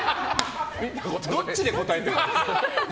どっちで答えてるの？